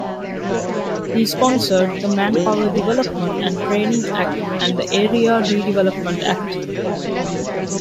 He sponsored the Manpower Development and Training Act and the Area Redevelopment Act.